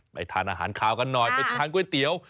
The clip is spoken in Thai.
ทานอาหารคาวกันหน่อยไปทานก๋วยเตี๋ยว